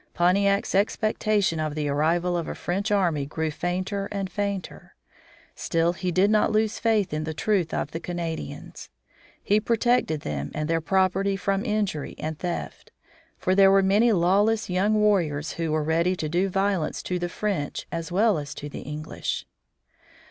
Pontiac's expectation of the arrival of a French army grew fainter and fainter. Still he did not lose faith in the truth of the Canadians. He protected them and their property from injury and theft; for there were many lawless young warriors who were ready to do violence to the French as well as to the English.